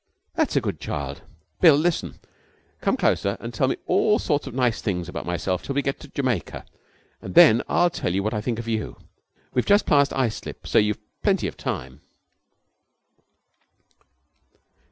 'That's a good child. Bill, listen. Come closer and tell me all sorts of nice things about myself till we get to Jamaica, and then I'll tell you what I think of you. We've just passed Islip, so you've plenty of time.'